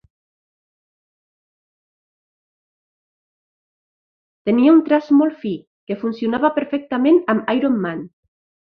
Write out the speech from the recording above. Tenia un traç molt fi, que funcionava perfectament amb "Iron Man".